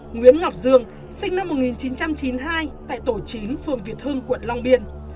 nguyễn ngọc dương sinh năm một nghìn chín trăm chín mươi hai tại tổ chín phường việt hưng quận long biên